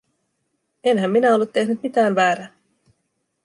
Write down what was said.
Enhän minä ollut tehnyt mitään väärää?